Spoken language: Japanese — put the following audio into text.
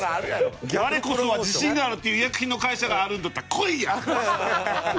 我こそは自信があるっていう医薬品の会社があるんだったら来いや！